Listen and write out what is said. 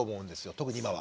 特に今は。